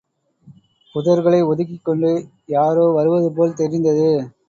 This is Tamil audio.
புதர்களை ஒதுக்கிக்கொண்டு யாரோ வருவது போல் தெரிந்தது.